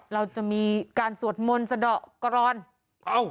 เราจะมีการสวดมนต์สะดอกกรอน